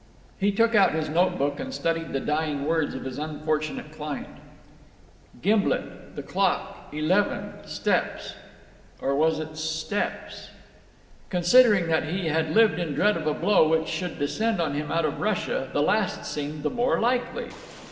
He took out his notebook and studied the dying words of his unfortunate client. "Gimblet the clock eleven steps." Or was it steppes? Considering that he had lived in dread of a blow which should descend on him out of Russia, the last seemed the more likely.